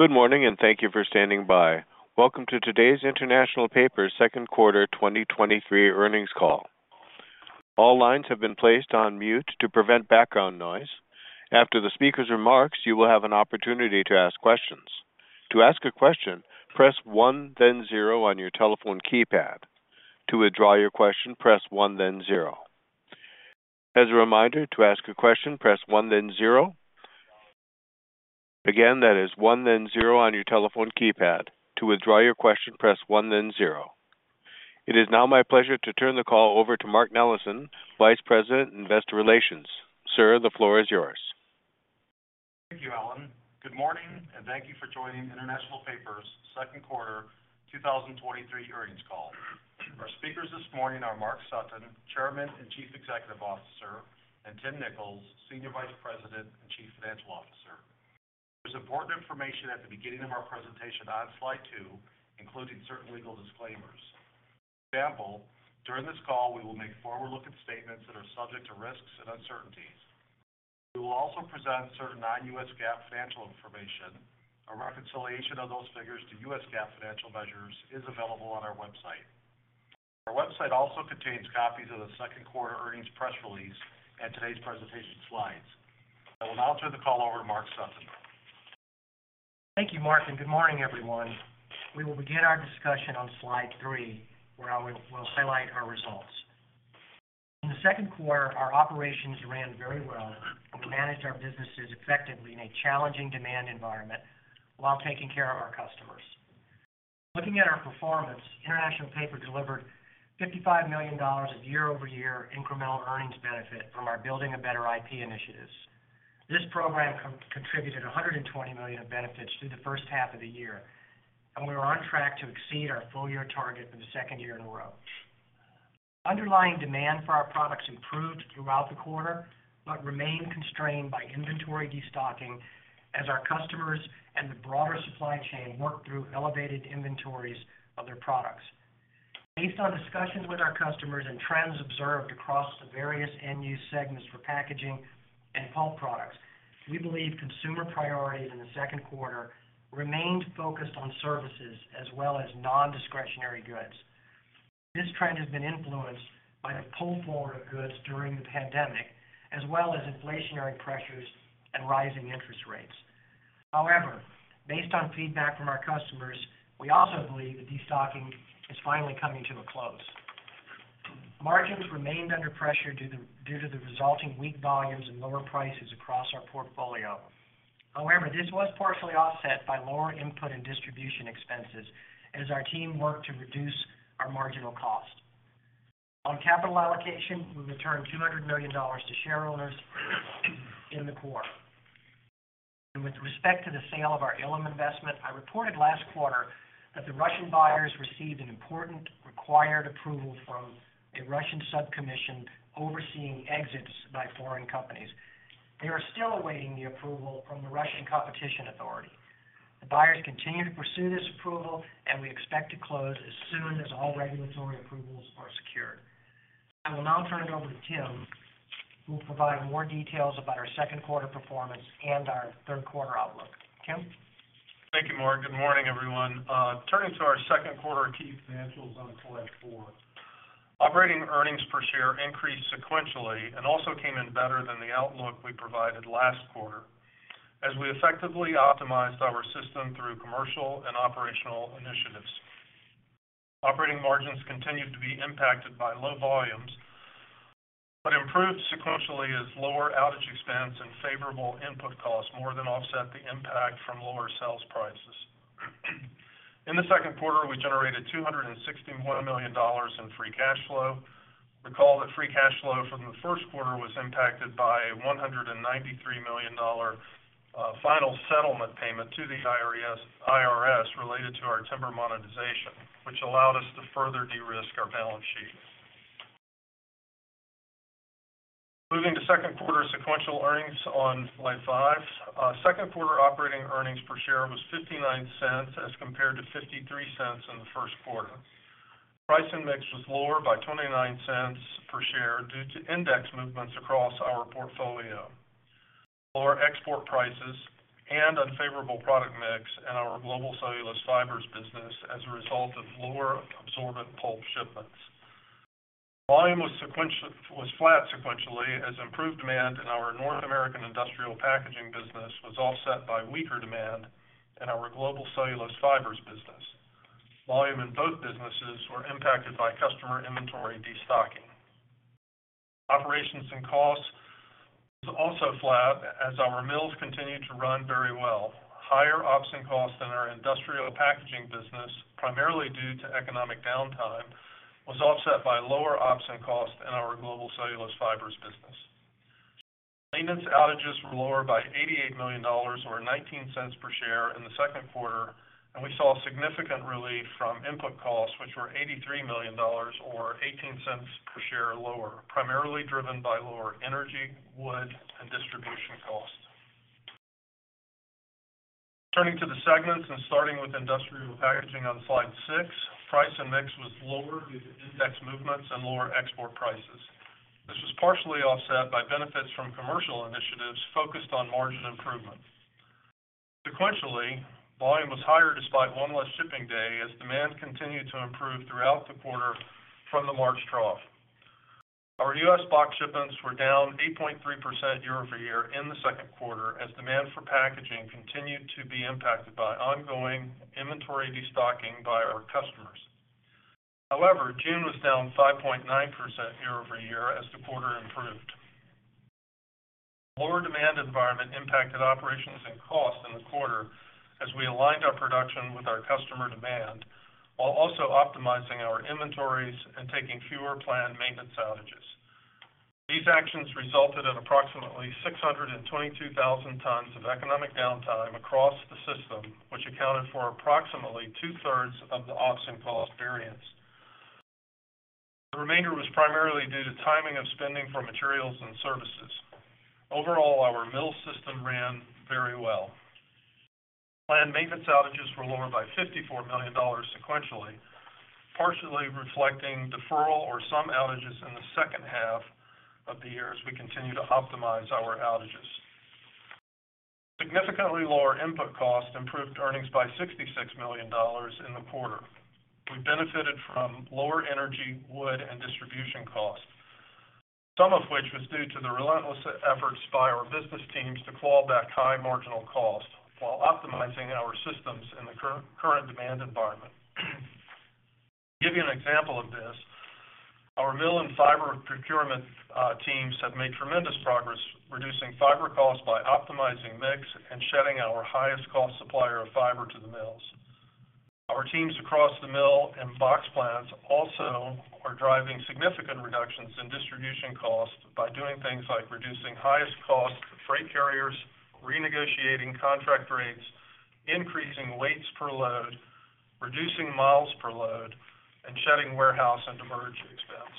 Good morning. Thank you for standing by. Welcome to today's International Paper Second Quarter 2023 Earnings Call. All lines have been placed on mute to prevent background noise. After the speaker's remarks, you will have an opportunity to ask questions. To ask a question, press one, then zero on your telephone keypad. To withdraw your question, press one, then zero. As a reminder, to ask a question, press one, then zero. That is one, then zero on your telephone keypad. To withdraw your question, press one, then zero. It is now my pleasure to turn the call over to Mark Nellos, Vice President, Investor Relations. Sir, the floor is yours. Thank you, Alan. Good morning, and thank you for joining International Paper's Second Quarter 2023 earnings call. Our speakers this morning are Mark Sutton, Chairman and Chief Executive Officer, and Tim Nicholls, Senior Vice President and Chief Financial Officer. There's important information at the beginning of our presentation on slide two, including certain legal disclaimers. For example, during this call, we will make forward-looking statements that are subject to risks and uncertainties. We will also present certain non-US GAAP financial information. A reconciliation of those figures to US GAAP financial measures is available on our website. Our website also contains copies of the second quarter earnings press release and today's presentation slides. I will now turn the call over to Mark Sutton. Thank you, Mark, and good morning, everyone. We will begin our discussion on slide three, where I will highlight our results. In the Second Quarter, our operations ran very well, and we managed our businesses effectively in a challenging demand environment while taking care of our customers. Looking at our performance, International Paper delivered $55 million of year-over-year incremental earnings benefit from our Building a Better IP initiatives. This program contributed $120 million of benefits through the first half of the year, and we are on track to exceed our full-year target for the second year in a row. Underlying demand for our products improved throughout the quarter, but remained constrained by inventory destocking as our customers and the broader supply chain worked through elevated inventories of their products. Based on discussions with our customers and trends observed across the various end-use segments for packaging and pulp products, we believe consumer priorities in the second quarter remained focused on services as well as nondiscretionary goods. This trend has been influenced by the pull forward of goods during the pandemic, as well as inflationary pressures and rising interest rates. Based on feedback from our customers, we also believe the destocking is finally coming to a close. Margins remained under pressure due to the resulting weak volumes and lower prices across our portfolio. This was partially offset by lower input and distribution expenses as our team worked to reduce our marginal cost. On capital allocation, we returned $200 million to shareholders in the quarter. With respect to the sale of our Ilim investment, I reported last quarter that the Russian buyers received an important required approval from a Russian sub-commission overseeing exits by foreign companies. They are still awaiting the approval from the Russian Competition Authority. The buyers continue to pursue this approval, and we expect to close as soon as all regulatory approvals are secured. I will now turn it over to Tim, who will provide more details about our second quarter performance and our third quarter outlook. Tim? Thank you, Mark. Good morning, everyone. Turning to our Second Quarter key financials on slide four. Operating earnings per share increased sequentially and also came in better than the outlook we provided last quarter as we effectively optimized our system through commercial and operational initiatives. Operating margins continued to be impacted by low volumes, but improved sequentially as lower outage expense and favorable input costs more than offset the impact from lower sales prices. In the Second Quarter, we generated $261 million in free cash flow. Recall that free cash flow from the first quarter was impacted by a $193 million final settlement payment to the IRS related to our timber monetization, which allowed us to further de-risk our balance sheet. Moving to Second Quarter sequential earnings on slide five. Second quarter operating earnings per share was $0.59, as compared to $0.53 in the first quarter. Price and mix was lower by $0.29 per share due to index movements across our portfolio. Lower export prices and unfavorable product mix in our global cellulose fibers business as a result of lower absorbent pulp shipments. Volume was flat sequentially, as improved demand in our North American industrial packaging business was offset by weaker demand in our global cellulose fibers business. Volume in both businesses were impacted by customer inventory destocking. Operations and costs was also flat, as our mills continued to run very well. Higher ops and costs in our industrial packaging business, primarily due to economic downtime, was offset by lower ops and costs in our global cellulose fibers business. Maintenance outages were lower by $88 million, or $0.19 per share, in the second quarter. We saw significant relief from input costs, which were $83 million, or $0.18 per share, lower, primarily driven by lower energy, wood, and distribution costs. Turning to the segments and starting with industrial packaging on slide six, price and mix was lower due to index movements and lower export prices. This was partially offset by benefits from commercial initiatives focused on margin improvement. Sequentially, volume was higher despite 1 less shipping day as demand continued to improve throughout the quarter from the March trough. Our US box shipments were down 8.3% year-over-year in the second quarter, as demand for packaging continued to be impacted by ongoing inventory destocking by our customers. However, June was down 5.9% year-over-year as the quarter improved. Lower demand environment impacted operations and cost in the quarter as we aligned our production with our customer demand, while also optimizing our inventories and taking fewer planned maintenance outages. These actions resulted in approximately 622,000 tons of economic downtime across the system, which accounted for approximately two-thirds of the ops and cost variance. The remainder was primarily due to timing of spending for materials and services. Overall, our mill system ran very well. Planned maintenance outages were lower by $54 million sequentially, partially reflecting deferral or some outages in the second half of the year as we continue to optimize our outages. Significantly lower input costs improved earnings by $66 million in the quarter. We benefited from lower energy, wood, and distribution costs, some of which was due to the relentless efforts by our business teams to claw back high marginal costs while optimizing our systems in the current demand environment. To give you an example of this, our mill and fiber procurement teams have made tremendous progress, reducing fiber costs by optimizing mix and shedding our highest cost supplier of fiber to the mills. Our teams across the mill and box plants also are driving significant reductions in distribution costs by doing things like reducing highest cost freight carriers, renegotiating contract rates, increasing weights per load, reducing miles per load, and shedding warehouse and demurrage expense.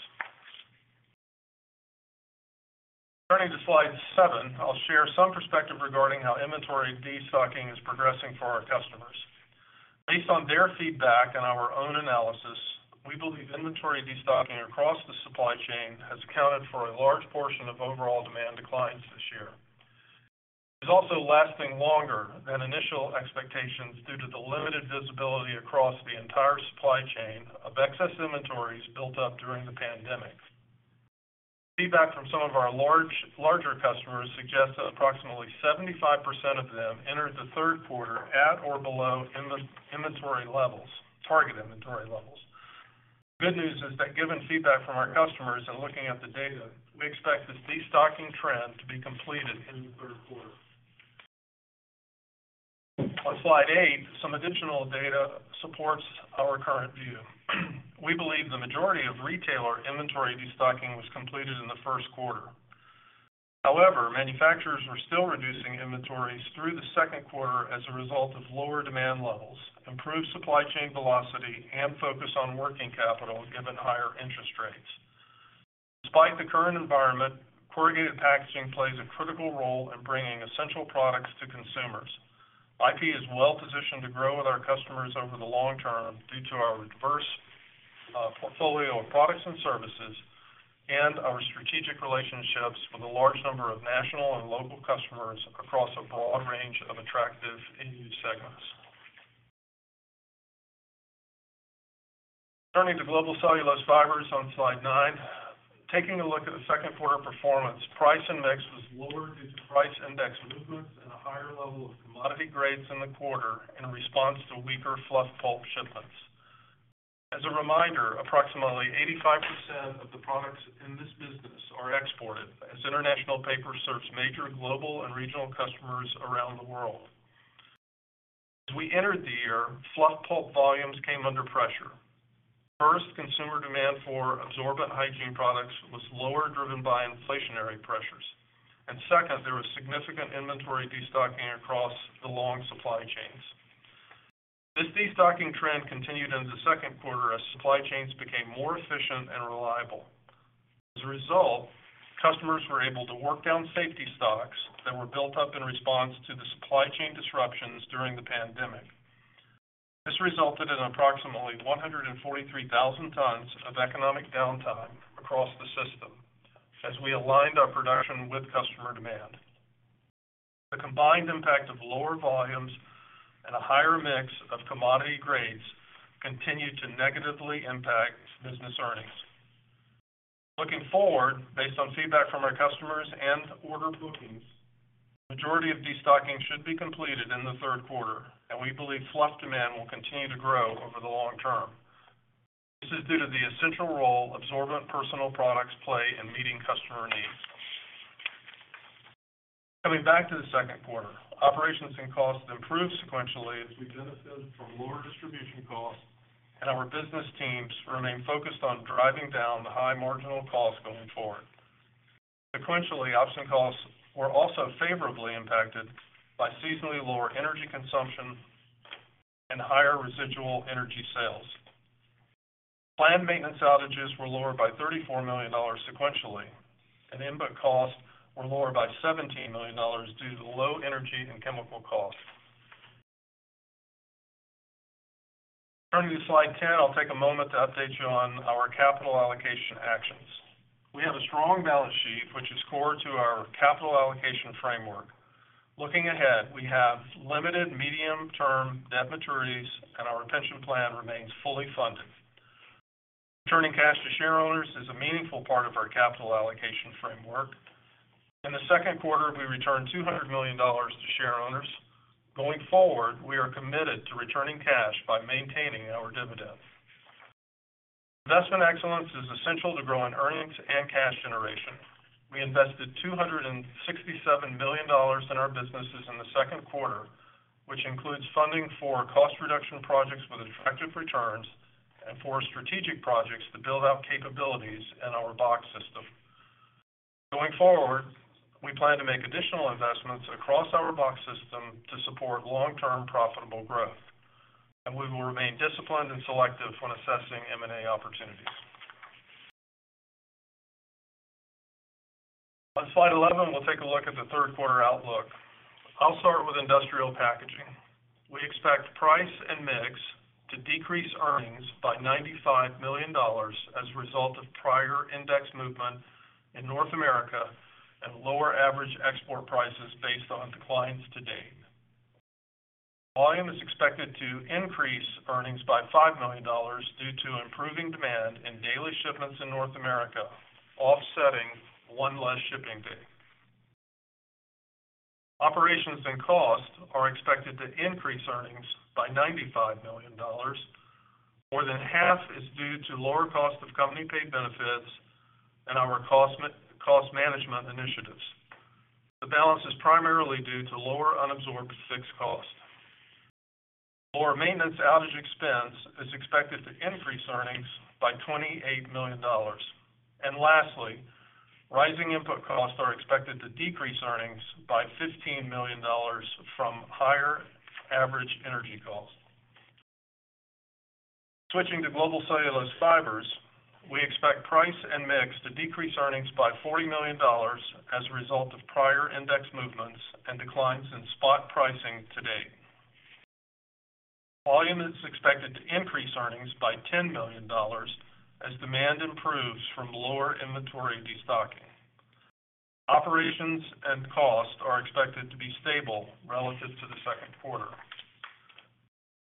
Turning to Slide seven, I'll share some perspective regarding how inventory destocking is progressing for our customers. Based on their feedback and our own analysis, we believe inventory destocking across the supply chain has accounted for a large portion of overall demand declines this year. It's also lasting longer than initial expectations due to the limited visibility across the entire supply chain of excess inventories built up during the pandemic. Feedback from some of our larger customers suggests that approximately 75% of them entered the third quarter at or below target inventory levels. The good news is that given feedback from our customers and looking at the data, we expect this destocking trend to be completed in the third quarter. On Slide eight, some additional data supports our current view. We believe the majority of retailer inventory destocking was completed in the first quarter. Manufacturers are still reducing inventories through the second quarter as a result of lower demand levels, improved supply chain velocity, and focus on working capital given higher interest rates. Despite the current environment, corrugated packaging plays a critical role in bringing essential products to consumers. IP is well-positioned to grow with our customers over the long term due to our diverse portfolio of products and services, and our strategic relationships with a large number of national and local customers across a broad range of attractive end-use segments. Turning to Global Cellulose Fibers on Slide 9, taking a look at the second quarter performance, price and mix was lower due to price index movements and a higher level of commodity grades in the quarter in response to weaker fluff pulp shipments. As a reminder, approximately 85% of the products in this business are exported, as International Paper serves major global and regional customers around the world. As we entered the year, fluff pulp volumes came under pressure. First, consumer demand for absorbent hygiene products was lower, driven by inflationary pressures. Second, there was significant inventory destocking across the long supply chains. This destocking trend continued into the second quarter as supply chains became more efficient and reliable. As a result, customers were able to work down safety stocks that were built up in response to the supply chain disruptions during the pandemic. This resulted in approximately 143,000 tons of economic downtime across the system as we aligned our production with customer demand. The combined impact of lower volumes and a higher mix of commodity grades continued to negatively impact business earnings. Looking forward, based on feedback from our customers and order bookings, the majority of destocking should be completed in the third quarter, and we believe fluff demand will continue to grow over the long term. This is due to the essential role absorbent personal products play in meeting customer needs. Coming back to the second quarter, operations and costs improved sequentially as we benefited from lower distribution costs, and our business teams remain focused on driving down the high marginal costs going forward. Sequentially, ops and costs were also favorably impacted by seasonally lower energy consumption and higher residual energy sales. Planned maintenance outages were lower by $34 million sequentially, and input costs were lower by $17 million due to low energy and chemical costs. Turning to Slide 10, I'll take a moment to update you on our capital allocation actions. We have a strong balance sheet, which is core to our capital allocation framework. Looking ahead, we have limited medium-term debt maturities, and our pension plan remains fully funded. Returning cash to shareowners is a meaningful part of our capital allocation framework. In the second quarter, we returned $200 million to shareowners. Going forward, we are committed to returning cash by maintaining our dividend. Investment excellence is essential to growing earnings and cash generation. We invested $267 million in our businesses in the second quarter, which includes funding for cost reduction projects with attractive returns and for strategic projects to build out capabilities in our box system. Going forward, we plan to make additional investments across our box system to support long-term profitable growth, and we will remain disciplined and selective when assessing M&A opportunities. On Slide 11, we'll take a look at the third quarter outlook. I'll start with industrial packaging. We expect price and mix to decrease earnings by $95 million as a result of prior index movement in North America and lower average export prices based on declines to date. Volume is expected to increase earnings by $5 million due to improving demand in daily shipments in North America, offsetting one less shipping day. Operations and costs are expected to increase earnings by $95 million. More than half is due to lower cost of company-paid benefits and our cost management initiatives. The balance is primarily due to lower unabsorbed fixed costs. Lower maintenance outage expense is expected to increase earnings by $28 million. Lastly, rising input costs are expected to decrease earnings by $15 million from higher average energy costs. Switching to global cellulose fibers, we expect price and mix to decrease earnings by $40 million as a result of prior index movements and declines in spot pricing to date. Volume is expected to increase earnings by $10 million as demand improves from lower inventory destocking. Operations and costs are expected to be stable relative to the Second Quarter.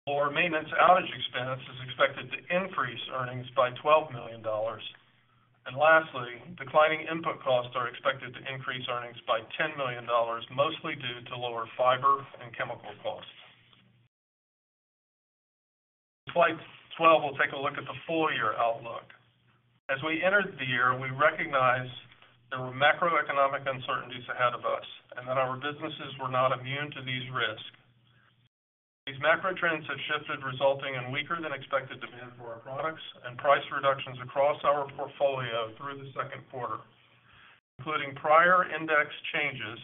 Lower maintenance outage expense is expected to increase earnings by $12 million. Lastly, declining input costs are expected to increase earnings by $10 million, mostly due to lower fiber and chemical costs. Slide 12, we'll take a look at the full-year outlook. As we entered the year, we recognized there were macroeconomic uncertainties ahead of us, and that our businesses were not immune to these risks. These macro trends have shifted, resulting in weaker than expected demand for our products and price reductions across our portfolio through the Second Quarter, including prior index changes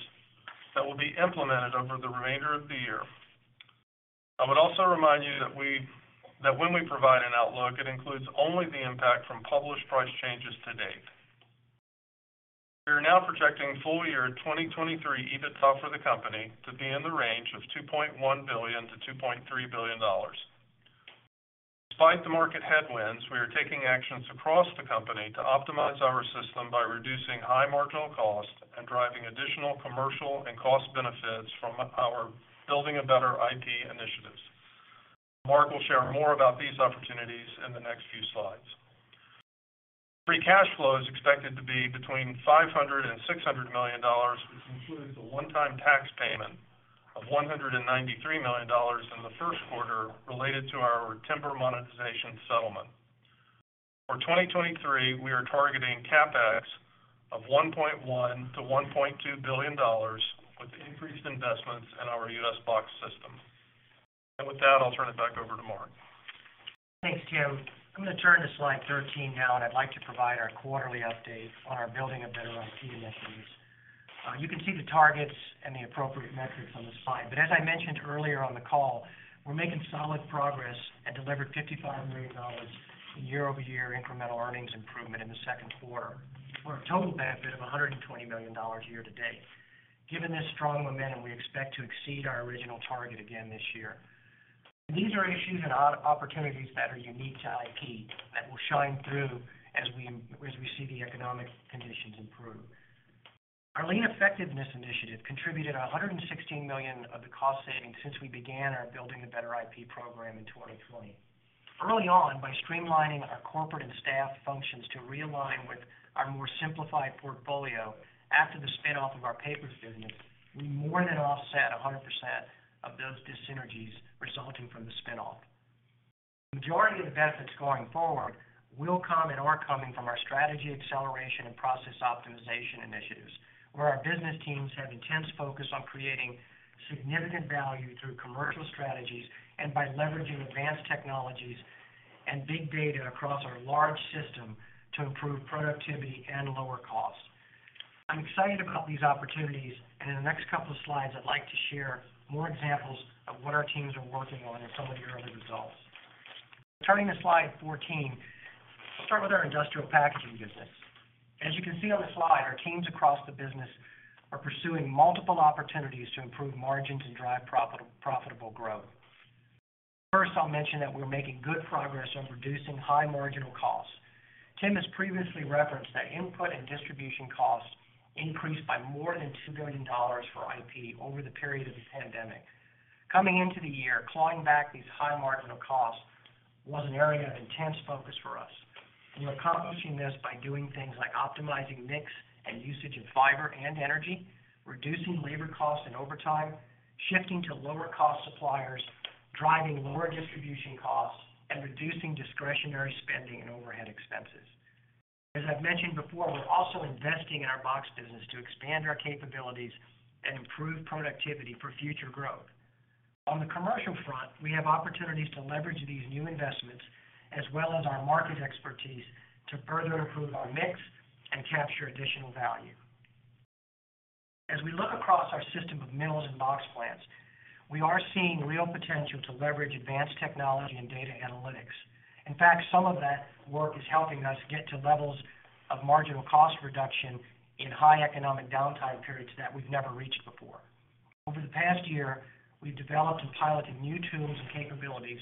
that will be implemented over the remainder of the year. I would also remind you that when we provide an outlook, it includes only the impact from published price changes to date. We are now projecting full-year 2023 EBITDA for the company to be in the range of $2.1 billion-$2.3 billion. Despite the market headwinds, we are taking actions across the company to optimize our system by reducing high marginal costs and driving additional commercial and cost benefits from our Building a Better IP initiatives. Mark will share more about these opportunities in the next few slides. Free cash flow is expected to be between $500 million-$600 million, which includes a one-time tax payment of $193 million in the first quarter related to our timber monetization settlement. For 2023, we are targeting CapEx of $1.1 billion-$1.2 billion, with increased investments in our U.S. box system. With that, I'll turn it back over to Mark. Thanks, Tim. I'm going to turn to slide 13 now. I'd like to provide our quarterly update on our Building a Better IP initiatives. You can see the targets and the appropriate metrics on the slide. As I mentioned earlier on the call, we're making solid progress and delivered $55 million year-over-year incremental earnings improvement in the second quarter, for a total benefit of $120 million year-to-date. Given this strong momentum, we expect to exceed our original target again this year. These are issues and opportunities that are unique to IP, that will shine through as we see the economic conditions improve. Our lean effectiveness initiative contributed $116 million of the cost savings since we began our Building a Better IP program in 2020. Early on, by streamlining our corporate and staff functions to realign with our more simplified portfolio after the spin-off of our papers business, we more than offset 100% of those dyssynergies resulting from the spin-off. The majority of the benefits going forward will come and are coming from our strategy acceleration and process optimization initiatives, where our business teams have intense focus on creating significant value through commercial strategies and by leveraging advanced technologies and big data across our large system to improve productivity and lower costs. I'm excited about these opportunities. In the next couple of slides, I'd like to share more examples of what our teams are working on and some of the early results. Turning to slide 14. Let's start with our Industrial Packaging business. You can see on the slide, our teams across the business are pursuing multiple opportunities to improve margins and drive profitable growth. I'll mention that we're making good progress on reducing high marginal costs. Tim Nicholls has previously referenced that input and distribution costs increased by more than $2 billion for IP over the period of the pandemic. Coming into the year, clawing back these high marginal costs was an area of intense focus for us. We're accomplishing this by doing things like optimizing mix and usage of fiber and energy, reducing labor costs and overtime, shifting to lower cost suppliers, driving lower distribution costs, and reducing discretionary spending and overhead expenses. I've mentioned before, we're also investing in our box business to expand our capabilities and improve productivity for future growth. On the commercial front, we have opportunities to leverage these new investments, as well as our market expertise, to further improve our mix and capture additional value. As we look across our system of mills and box plants, we are seeing real potential to leverage advanced technology and data analytics. In fact, some of that work is helping us get to levels of marginal cost reduction in high economic downtime periods that we've never reached before. Over the past year, we've developed and piloted new tools and capabilities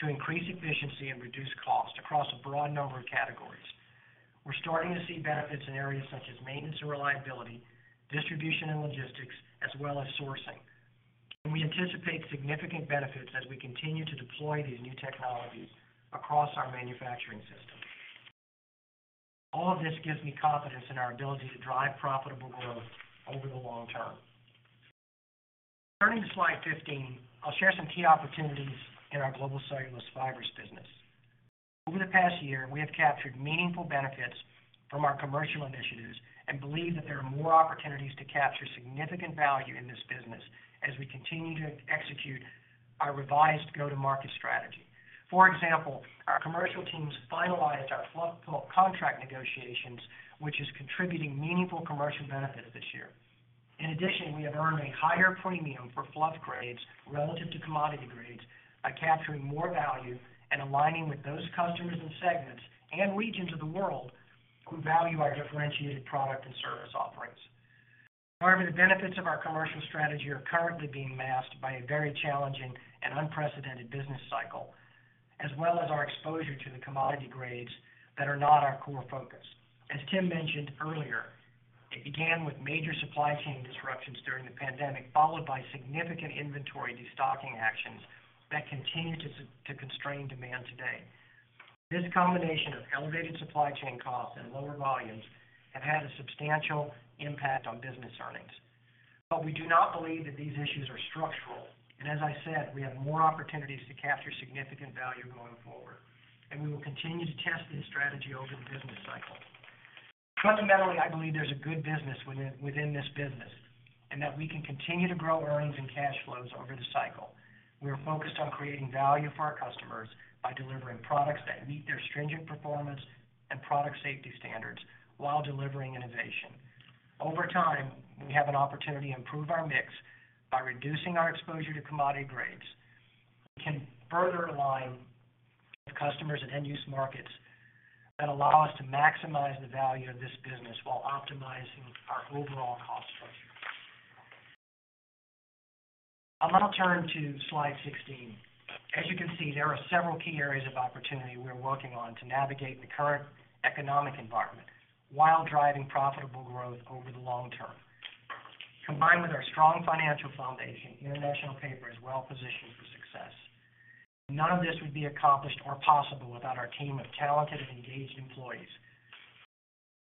to increase efficiency and reduce costs across a broad number of categories. We're starting to see benefits in areas such as maintenance and reliability, distribution and logistics, as well as sourcing. We anticipate significant benefits as we continue to deploy these new technologies across our manufacturing system. All of this gives me confidence in our ability to drive profitable growth over the long term. Turning to slide 15, I'll share some key opportunities in our Global Cellulose Fibers business. Over the past year, we have captured meaningful benefits from our commercial initiatives and believe that there are more opportunities to capture significant value in this business as we continue to execute our revised go-to-market strategy. For example, our commercial teams finalized our fluff pulp contract negotiations, which is contributing meaningful commercial benefit this year. In addition, we have earned a higher premium for fluff grades relative to commodity grades by capturing more value and aligning with those customers and segments, and regions of the world, who value our differentiated product and service offerings. The benefits of our commercial strategy are currently being masked by a very challenging and unprecedented business cycle, as well as our exposure to the commodity grades that are not our core focus. As Tim mentioned earlier, it began with major supply chain disruptions during the pandemic, followed by significant inventory destocking actions that continue to constrain demand today. This combination of elevated supply chain costs and lower volumes have had a substantial impact on business earnings. We do not believe that these issues are structural, and as I said, we have more opportunities to capture significant value going forward, and we will continue to test this strategy over the business cycle. Fundamentally, I believe there's a good business within this business, and that we can continue to grow earnings and cash flows over the cycle. We are focused on creating value for our customers by delivering products that meet their stringent performance and product safety standards while delivering innovation. Over time, we have an opportunity to improve our mix by reducing our exposure to commodity grades. We can further align with customers and end-use markets that allow us to maximize the value of this business while optimizing our overall cost structure. I'll now turn to slide 16. As you can see, there are several key areas of opportunity we are working on to navigate the current economic environment while driving profitable growth over the long term. Combined with our strong financial foundation, International Paper is well positioned for success. None of this would be accomplished or possible without our team of talented and engaged employees.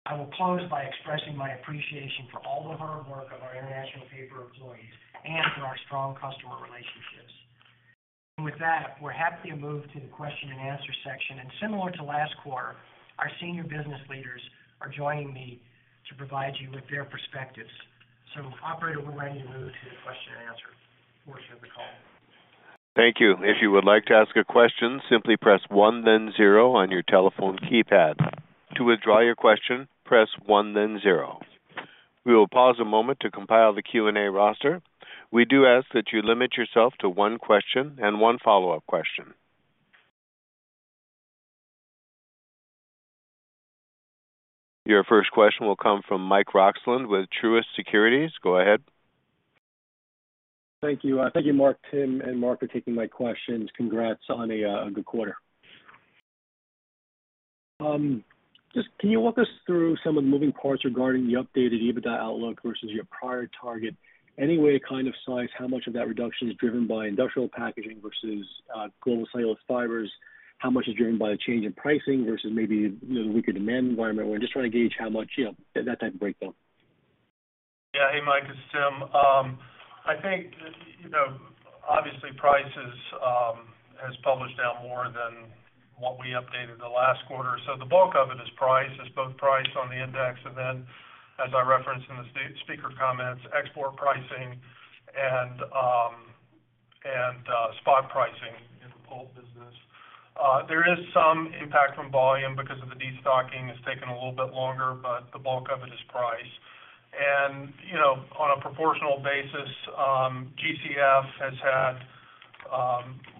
I will close by expressing my appreciation for all the hard work of our International Paper employees and for our strong customer relationships. With that, we're happy to move to the question and answer section. Similar to last quarter, our senior business leaders are joining me to provide you with their perspectives. Operator, we're ready to move to the question and answer portion of the call. Thank you. If you would like to ask a question, simply press one, then zero on your telephone keypad. To withdraw your question, press one, then zero. We will pause a moment to compile the Q&A roster. We do ask that you limit yourself to one question and one follow-up question. Your first question will come from Mike Roxland with Truist Securities. Go ahead. Thank you. Thank you, Mark, Tim, and Mark, for taking my questions. Congrats on a good quarter. Just can you walk us through some of the moving parts regarding the updated EBITDA outlook versus your prior target? Any way to kind of size how much of that reduction is driven by Industrial Packaging versus Global Cellulose Fibers? How much is driven by the change in pricing versus maybe the weaker demand environment? We're just trying to gauge how much, yeah, that type of breakdown. Yeah. Hey, Mike, it's Tim. I think, you know, obviously, price is has published down more than what we updated the last quarter. The bulk of it is price. It's both price on the index and then, as I referenced in the speaker comments, export pricing and spot pricing in the pulp business. There is some impact from volume because of the destocking. It's taken a little bit longer, but the bulk of it is price. You know, on a proportional basis, GCF has had....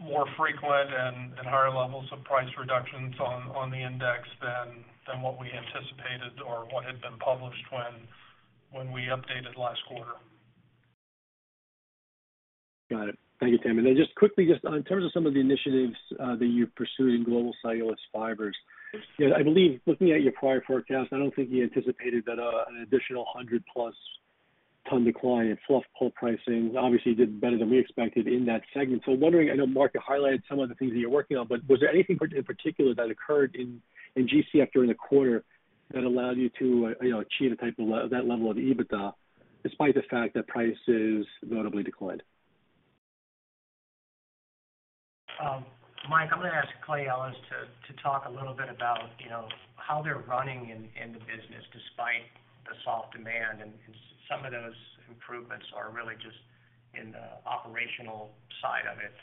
more frequent and higher levels of price reductions on the index than what we anticipated or what had been published when we updated last quarter. Got it. Thank you, Tim. Just quickly, just in terms of some of the initiatives that you're pursuing in Global Cellulose Fibers, I believe, looking at your prior forecast, I don't think you anticipated that an additional 100+ ton decline in fluff pulp pricing. Obviously, you did better than we expected in that segment. Wondering, I know Mark highlighted some of the things that you're working on, but was there anything in particular that occurred in GCF during the quarter that allowed you to, you know, achieve that level of EBITDA, despite the fact that prices notably declined? Mike, I'm gonna ask Clay Ellis to talk a little bit about, you know, how they're running in the business despite the soft demand, and some of those improvements are really just in the operational side of it,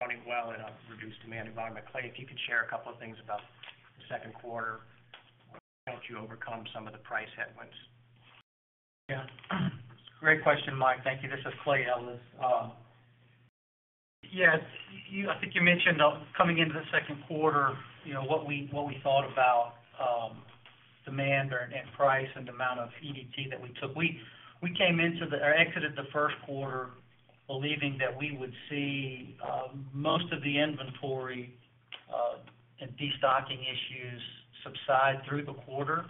running well in a reduced demand environment. Clay, if you could share a couple of things about the Second Quarter, help you overcome some of the price headwinds. Yeah. Great question, Mike. Thank you. This is Clay Ellis. Yes, I think you mentioned the coming into the second quarter, you know, what we thought about demand or, and price and amount of EDT that we took. We came into the, or exited the first quarter believing that we would see most of the inventory and destocking issues subside through the quarter.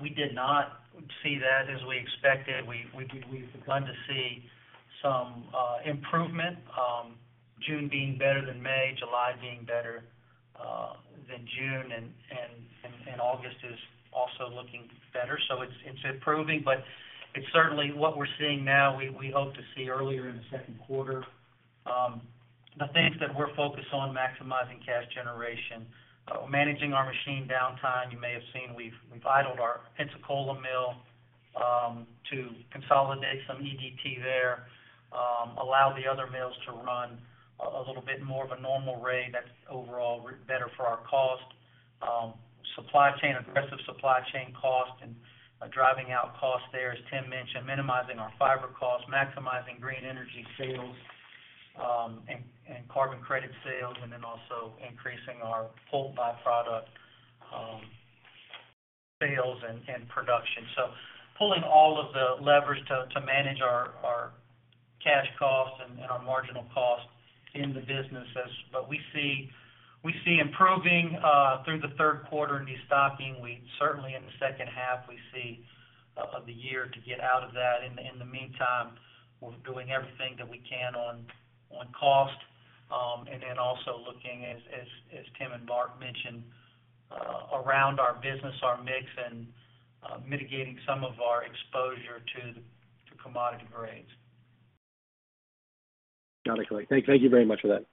We did not see that as we expected. We've begun to see some improvement, June being better than May, July being better than June, and August is also looking better, it's improving, but it's certainly what we're seeing now, we hope to see earlier in the second quarter. The things that we're focused on, maximizing cash generation, managing our machine downtime. You may have seen, we've idled our Pensacola mill, to consolidate some EDT there, allow the other mills to run a little bit more of a normal rate that's overall better for our cost. Supply chain, aggressive supply chain cost, and driving out costs there, as Tim mentioned, minimizing our fiber costs, maximizing green energy sales, and carbon credit sales, and then also increasing our pulp by-product sales and production. Pulling all of the levers to manage our cash costs and our marginal costs in the business as. We see improving through the third quarter in destocking. We certainly in the second half, we see of the year to get out of that. In the meantime, we're doing everything that we can on cost, and then also looking as Tim and Mark mentioned, around our business, our mix, and mitigating some of our exposure to commodity grades. Got it, Clay. Thank you very much for that.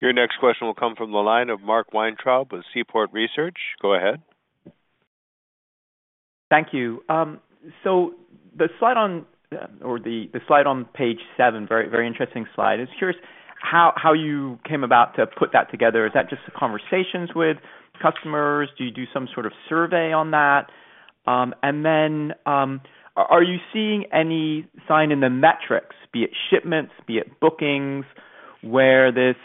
Your next question will come from the line of Mark Weintraub with Seaport Research. Go ahead. Thank you. The slide on, or the, the slide on page seven, very, very interesting slide. Just curious how, how you came about to put that together. Is that just conversations with customers? Do you do some sort of survey on that? Then, are you seeing any sign in the metrics, be it shipments, be it bookings, where this,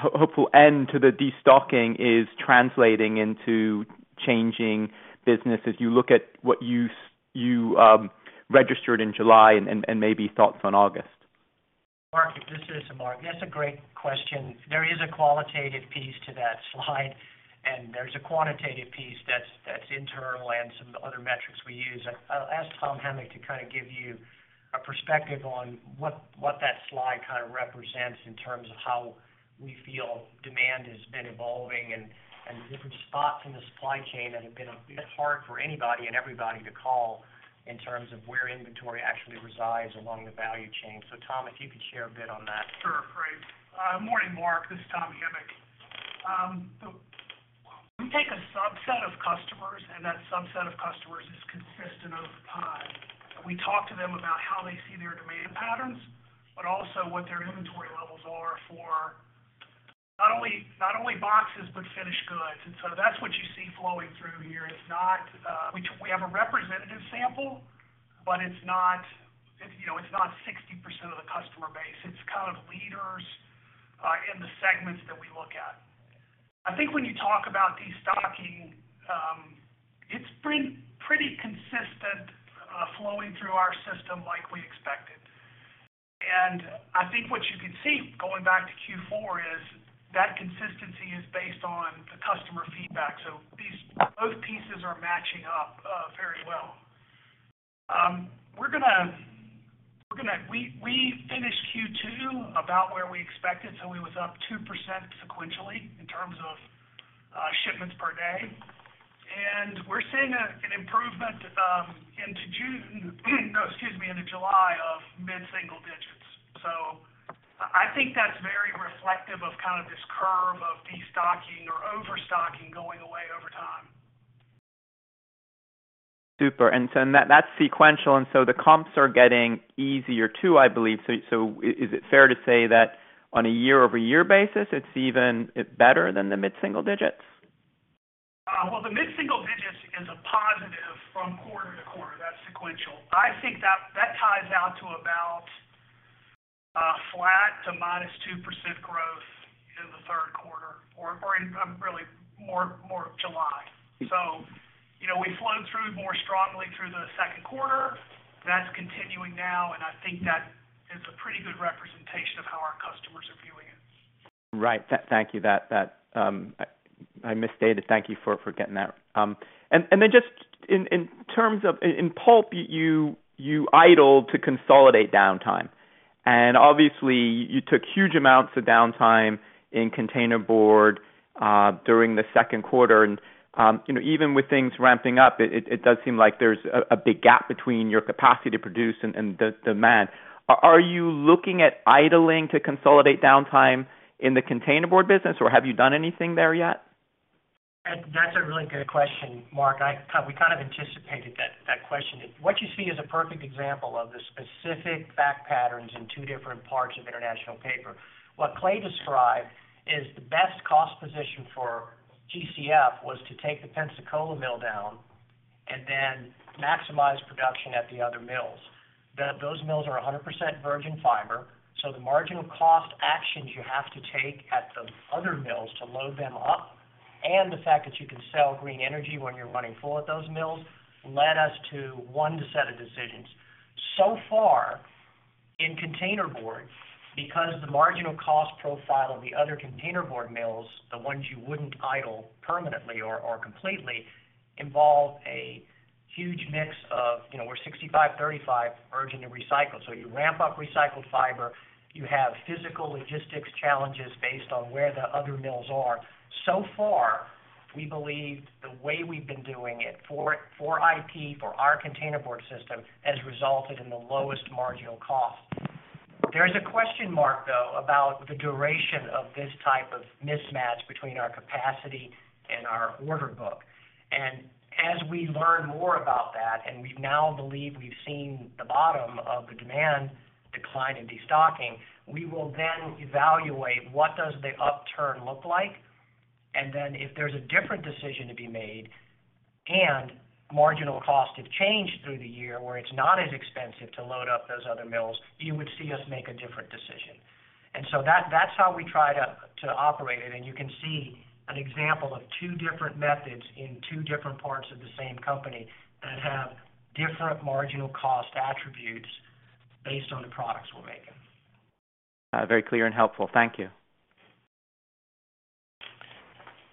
hopeful end to the destocking is translating into changing business as you look at what you registered in July and, and maybe thoughts on August? Mark, this is Mark. That's a great question. There is a qualitative piece to that slide, and there's a quantitative piece that's internal and some other metrics we use. I'll ask Tom Hamic to kind of give you a perspective on what that slide kind of represents in terms of how we feel demand has been evolving and different spots in the supply chain that have been a bit hard for anybody and everybody to call in terms of where inventory actually resides along the value chain. Tom, if you could share a bit on that. Sure, great. Morning, Mark, this is Tom Hamic. We take a subset of customers, and that subset of customers is consistent over time. We talk to them about how they see their demand patterns, but also what their inventory levels are for not only boxes, but finished goods. That's what you see flowing through here. It's not, which we have a representative sample, but it's not, it's, you know, it's not 60% of the customer base. It's kind of leaders in the segments that we look at. I think when you talk about destocking, it's pretty consistent flowing through our system like we expected. I think what you can see, going back to Q4, is that consistency is based on the customer feedback. Both pieces are matching up very well. We finished Q2 about where we expected, we was up 2% sequentially in terms of shipments per day. We're seeing an improvement into June, excuse me, into July, of mid-single digits. I think that's very reflective of kind of this curve of destocking or overstocking going away over time. Super. That's sequential, the comps are getting easier too, I believe. Is it fair to say that on a year-over-year basis, it's even, it's better than the mid-single digits? Well, the mid-single digits is a positive from quarter to quarter. That's sequential. I think that ties out to about flat to minus 2% growth in the third quarter or really more July. You know, we flowed through more strongly through the second quarter. That's continuing now, and I think that is a pretty good representation of how our customers are viewing it. Right. Thank you. That, I misstated. Thank you for getting that. Then just in terms of in pulp, you idled to consolidate downtime, and obviously, you took huge amounts of downtime in containerboard during the second quarter. You know, even with things ramping up, it does seem like there's a big gap between your capacity to produce and the demand. Are you looking at idling to consolidate downtime in the containerboard business, or have you done anything there yet? That's a really good question, Mark. We kind of anticipated that question. What you see is a perfect example of the specific fact patterns in two different parts of International Paper. What Clay described is the best cost position for GCF, was to take the Pensacola mill down and then maximize production at the other mills. Those mills are 100% virgin fiber, so the marginal cost actions you have to take at the other mills to load them up, and the fact that you can sell green energy when you're running full at those mills, led us to 1 set of decisions. Far, in containerboard, because the marginal cost profile of the other containerboard mills, the ones you wouldn't idle permanently or completely, involve a huge mix of, you know, we're 65, 35 virgin to recycled. You ramp up recycled fiber, you have physical logistics challenges based on where the other mills are. So far, we believe the way we've been doing it, for IP, for our containerboard system, has resulted in the lowest marginal cost. There is a question mark, though, about the duration of this type of mismatch between our capacity and our order book. As we learn more about that, and we now believe we've seen the bottom of the demand decline in destocking, we will then evaluate what does the upturn look like. Then, if there's a different decision to be made, and marginal costs have changed through the year, where it's not as expensive to load up those other mills, you would see us make a different decision. That's how we try to operate it, and you can see an example of two different methods in two different parts of the same company that have different marginal cost attributes based on the products we're making. very clear and helpful. Thank you.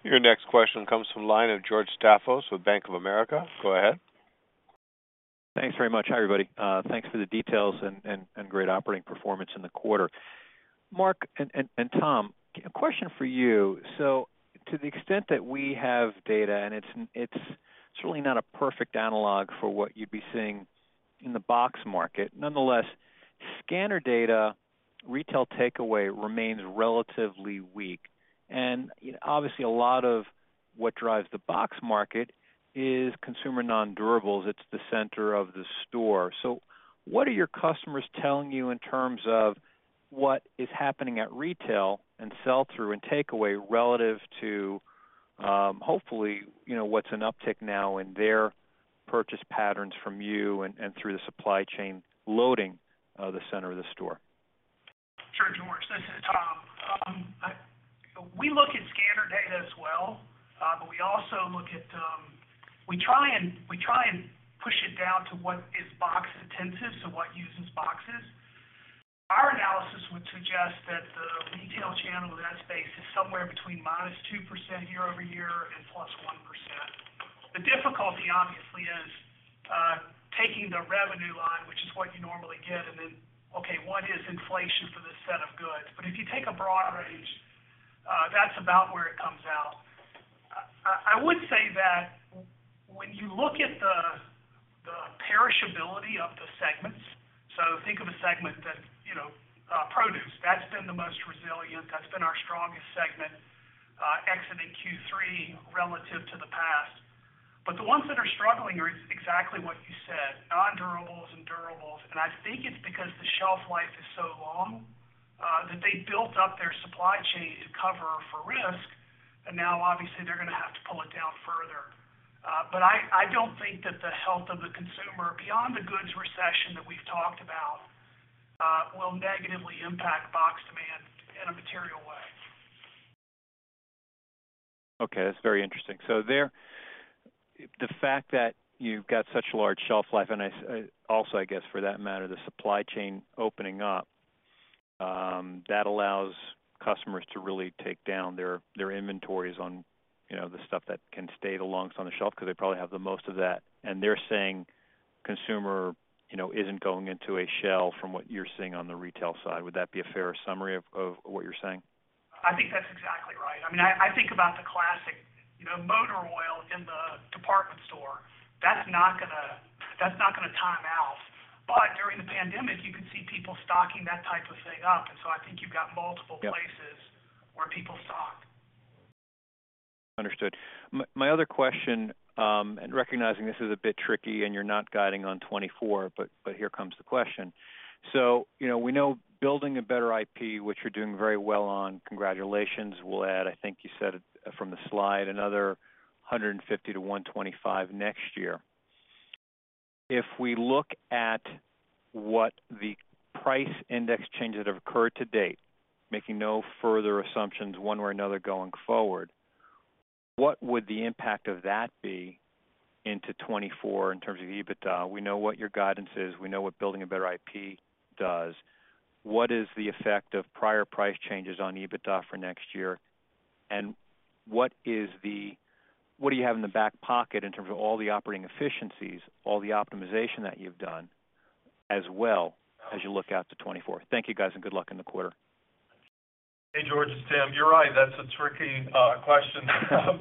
Your next question comes from the line of George Staphos with Bank of America. Go ahead. Thanks very much. Hi, everybody. Thanks for the details and great operating performance in the quarter. Mark and Tom, a question for you. To the extent that we have data, and it's really not a perfect analog for what you'd be seeing in the box market. Nonetheless, scanner data, retail takeaway remains relatively weak, and obviously, a lot of what drives the box market is consumer non-durables. It's the center of the store. What are your customers telling you in terms of what is happening at retail and sell-through and takeaway relative to, hopefully, you know, what's an uptick now in their purchase patterns from you and through the supply chain, loading, the center of the store? Sure, George. This is Tom. We look at scanner data as well, but we also look at, we try and push it down to what is box intensive, so what uses boxes. Our analysis would suggest that the retail channel in that space is somewhere between -2% year-over-year and +1%. The difficulty, obviously, is taking the revenue line, which is what you normally get, then, okay, what is inflation for this set of goods? If you take a broad range, that's about where it comes out. I would say that when you look at the perishability of the segments, so think of a segment that, you know, produce, that's been the most resilient, that's been our strongest segment, exiting Q3 relative to the past. The ones that are struggling are exactly what you said, non-durables and durables. I think it's because the shelf life is so long, that they built up their supply chain to cover for risk, and now obviously they're gonna have to pull it down further. I don't think that the health of the consumer, beyond the goods recession that we've talked about, will negatively impact box demand in a material way. Okay, that's very interesting. The fact that you've got such a large shelf life, and also, I guess, for that matter, the supply chain opening up, that allows customers to really take down their inventories on, you know, the stuff that can stay the longest on the shelf, because they probably have the most of that, and they're saying consumer, you know, isn't going into a shell from what you're seeing on the retail side. Would that be a fair summary of, of what you're saying? I think that's exactly right. I mean, I think about the classic, you know, motor oil in the department store. That's not going to time out. During the pandemic, you could see people stocking that type of thing up, and so I think you've got multiple- Yep. places where people stock. Understood. My other question, recognizing this is a bit tricky and you're not guiding on 2024, but here comes the question: You know, we know Building a Better IP, which you're doing very well on, congratulations, we'll add, I think you said it from the slide, another $150-$125 next year. If we look at what the price index changes that have occurred to date, making no further assumptions, one way or another, going forward, what would the impact of that be into 2024 in terms of EBITDA? We know what your guidance is. We know what Building a Better IP does. What is the effect of prior price changes on EBITDA for next year? What do you have in the back pocket in terms of all the operating efficiencies, all the optimization that you've done, as well as you look out to 2024? Thank you, guys, and good luck in the quarter. Hey, George, it's Tim. You're right, that's a tricky question,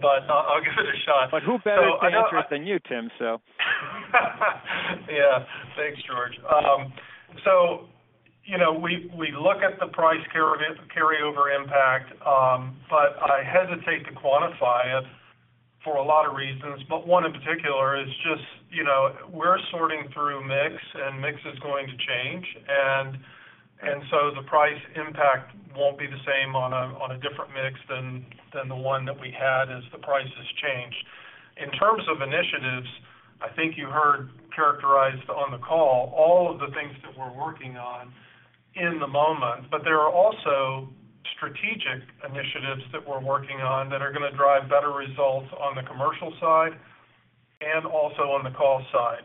but I'll give it a shot. Who better to answer it than you, Tim, so? Yeah. Thanks, George. You know, we, we look at the price carryover impact, but I hesitate to quantify it for a lot of reasons, but one, in particular, is just, you know, we're sorting through mix, and mix is going to change. The price impact won't be the same on a different mix than the one that we had as the prices change. In terms of initiatives, I think you heard characterized on the call all of the things that we're working on in the moment, but there are also strategic initiatives that we're working on that are gonna drive better results on the commercial side and also on the cost side.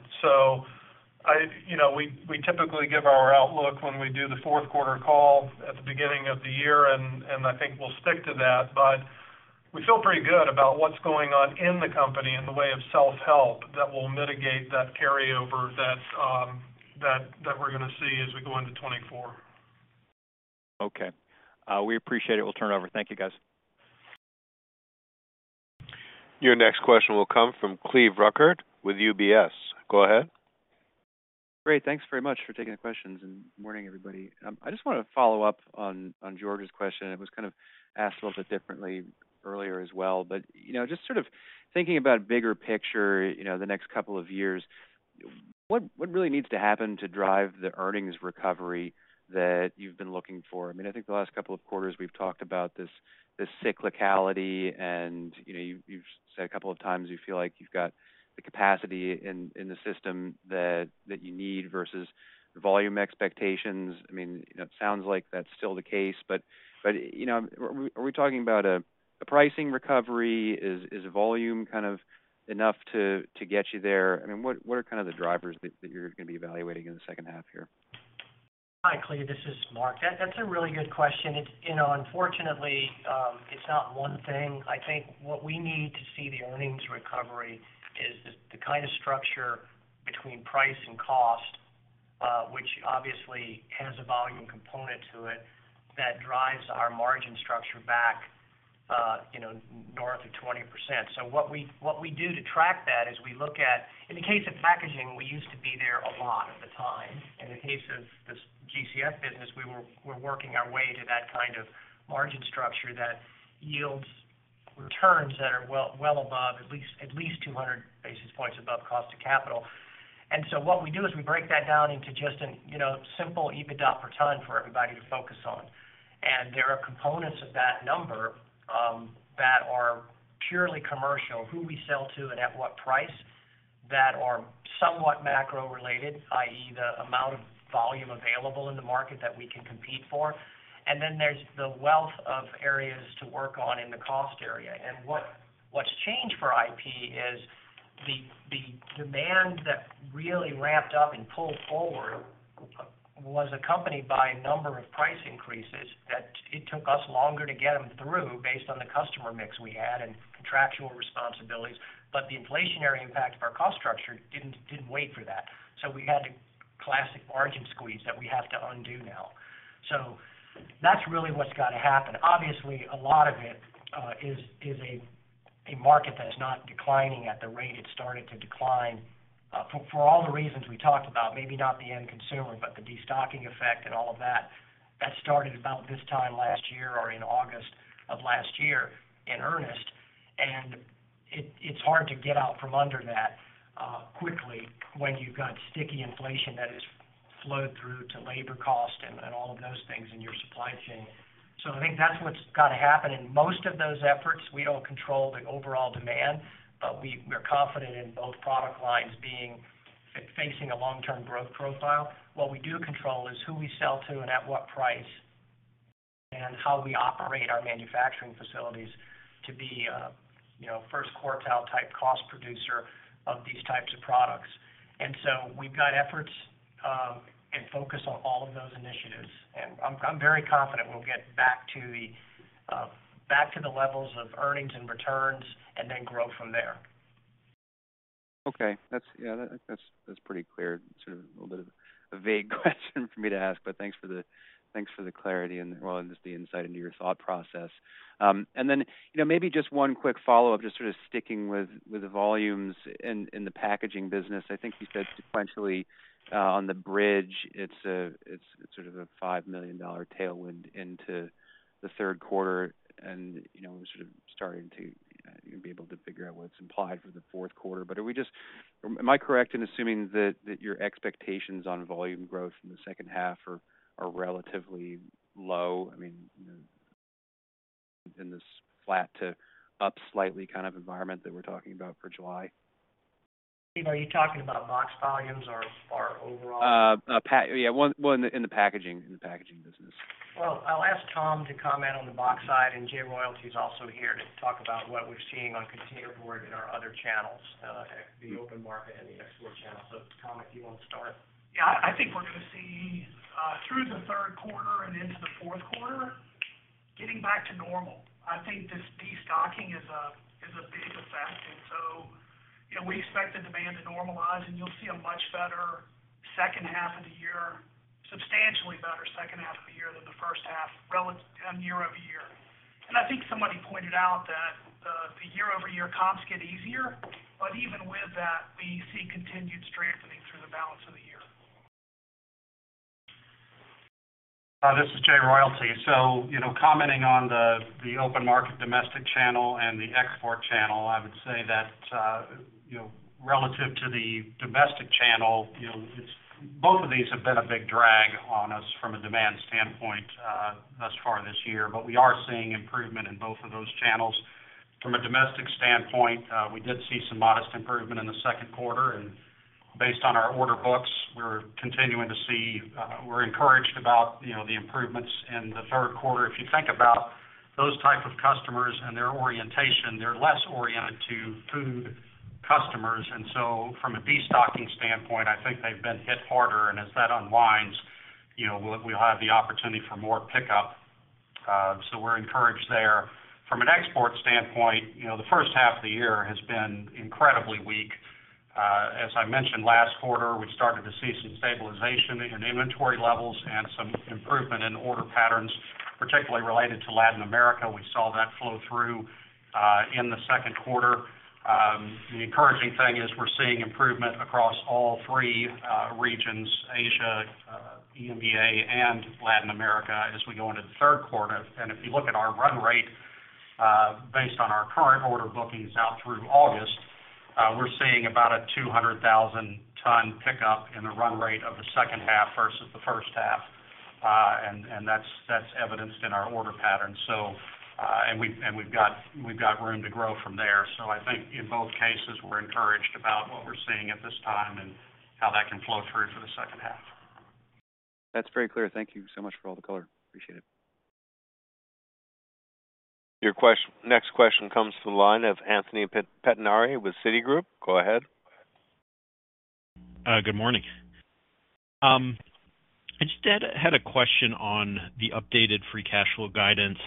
you know, we typically give our outlook when we do the fourth quarter call at the beginning of the year, and I think we'll stick to that, but we feel pretty good about what's going on in the company in the way of self-help that will mitigate that carryover that we're gonna see as we go into 2024. Okay. We appreciate it. We'll turn it over. Thank you, guys. Your next question will come from Cleve Rueckert with UBS. Go ahead. Great. Thanks very much for taking the questions, and morning, everybody. I just wanna follow up on George's question. It was kind of asked a little bit differently earlier as well, but, you know, just sort of thinking about bigger picture, you know, the next couple of years, what really needs to happen to drive the earnings recovery that you've been looking for? I mean, I think the last couple of quarters, we've talked about this cyclicality, and, you know, you've said a couple of times you feel like you've got the capacity in the system that you need versus the volume expectations. I mean, you know, it sounds like that's still the case, but, you know, are we talking about a pricing recovery? Is volume kind of enough to get you there? I mean, what are kind of the drivers that you're gonna be evaluating in the second half here? Hi, Cleve. This is Mark. That's a really good question. It's, you know, unfortunately, it's not one thing. I think what we need to see the earnings recovery is the, the kind of structure between price and cost, which obviously has a volume component to it, that drives our margin structure back, you know, north of 20%. What we, what we do to track that is we look at In the case of packaging, we used to be there a lot of the time. In the case of this GCF business, we're working our way to that kind of margin structure that yields returns that are well, well above, at least, at least 200 basis points above cost of capital. What we do is we break that down into just an, you know, simple EBITDA per ton for everybody to focus on. There are components of that number that are purely commercial, who we sell to and at what price, that are somewhat macro-related, i.e., the amount of volume available in the market that we can compete for. Then there's the wealth of areas to work on in the cost area. What's changed for IP is the demand that really ramped up and pulled forward was accompanied by a number of price increases that it took us longer to get them through based on the customer mix we had and contractual responsibilities. The inflationary impact of our cost structure didn't wait for that. We had the classic margin squeeze that we have to undo now. That's really what's gotta happen. Obviously, a lot of it, is a market that is not declining at the rate it started to decline, for all the reasons we talked about, maybe not the end consumer, but the destocking effect and all of that. That started about this time last year or in August of last year, in earnest, and it's hard to get out from under that, quickly when you've got sticky inflation that has flowed through to labor cost and all of those things in your supply chain. I think that's what's gotta happen. In most of those efforts, we don't control the overall demand, but we're confident in both product lines facing a long-term growth profile. What we do control is who we sell to and at what price, and how we operate our manufacturing facilities to be a, you know, first quartile-type cost producer of these types of products. We've got efforts and focus on all of those initiatives, and I'm very confident we'll get back to the levels of earnings and returns and then grow from there. Okay. Yeah, that's pretty clear. Sort of a little bit of a vague question for me to ask, but thanks for the clarity and, well, just the insight into your thought process. You know, maybe just one quick follow-up, just sort of sticking with the volumes in the packaging business. I think you said sequentially on the bridge, it's sort of a $5 million tailwind into the third quarter. You know, we're sort of starting to be able to figure out what it's implied for the fourth quarter. Am I correct in assuming that your expectations on volume growth in the second half are relatively low? I mean, you know, in this flat to up slightly kind of environment that we're talking about for July? Are you talking about box volumes or overall? Yeah, one in the packaging business. I'll ask Tom to comment on the box side, and Jay Royalty is also here to talk about what we're seeing on container board in our other channels, the open market and the export channel. Tom, if you want to start. Yeah, I think we're gonna see, through the third quarter and into the fourth quarter, getting back to normal. I think this destocking is a big effect. You know, we expect the demand to normalize, and you'll see a much better second half of the year, substantially better second half of the year than the first half, relative, year-over-year. I think somebody pointed out that, the year-over-year comps get easier, but even with that, we see continued strengthening through the balance of the year. This is Jay Royalty. You know, commenting on the open market domestic channel and the export channel, I would say that, you know, relative to the domestic channel, you know, both of these have been a big drag on us from a demand standpoint thus far this year, but we are seeing improvement in both of those channels. From a domestic standpoint, we did see some modest improvement in the Second Quarter, and based on our order books, we're continuing to see. We're encouraged about, you know, the improvements in the Third Quarter. If you think about those type of customers and their orientation, they're less oriented to food customers, from a destocking standpoint, I think they've been hit harder, and as that unwinds, you know, we'll have the opportunity for more pickup. We're encouraged there. From an export standpoint, you know, the first half of the year has been incredibly weak. As I mentioned, last quarter, we started to see some stabilization in inventory levels and some improvement in order patterns, particularly related to Latin America. We saw that flow through in the second quarter. The encouraging thing is we're seeing improvement across all 3 regions, Asia, EMEA, and Latin America, as we go into the third quarter. If you look at our run rate, based on our current order bookings out through August, we're seeing about a 200,000 ton pickup in the run rate of the second half versus the first half, and that's evidenced in our order pattern. We've got room to grow from there. I think in both cases, we're encouraged about what we're seeing at this time and how that can flow through for the second half. That's very clear. Thank you so much for all the color. Appreciate it. Your next question comes from the line of Anthony Pettinari with Citigroup. Go ahead. Good morning. I just had a question on the updated free cash flow guidance,